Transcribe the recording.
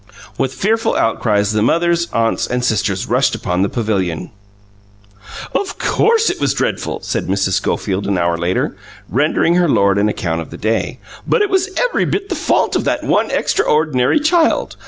With fearful outcries the mothers, aunts, and sisters rushed upon the pavilion. "Of course it was dreadful," said Mrs. Schofield, an hour later, rendering her lord an account of the day, "but it was every bit the fault of that one extraordinary child.